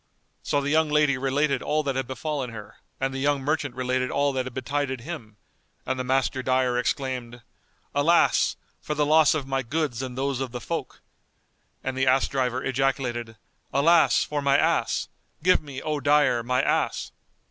So the young lady related all that had befallen her and the young merchant related all that had betided him, and the Master dyer exclaimed, "Alas, for the loss of my goods and those of the folk!"; and the ass driver ejaculated, "Alas, for my ass! Give me, O dyer, my ass!"